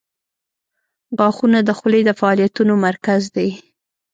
• غاښونه د خولې د فعالیتونو مرکز دي.